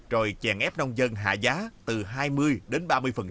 rồi chèn ép nông dân hạ giá từ hai mươi đến ba mươi